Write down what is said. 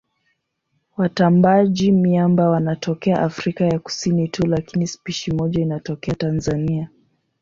Watambaaji-miamba wanatokea Afrika ya Kusini tu lakini spishi moja inatokea Tanzania.